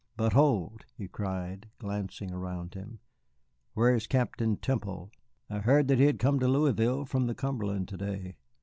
But hold," he cried, glancing around him, "where is Captain Temple? I heard that he had come to Louisville from the Cumberland to day.